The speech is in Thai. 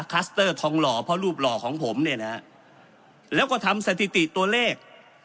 เตอร์ทองหล่อเพราะรูปหล่อของผมเนี่ยนะฮะแล้วก็ทำสถิติตัวเลข